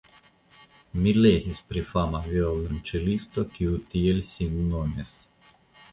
Mi legis pri fama violonĉelisto, kiu tiel sin nomis.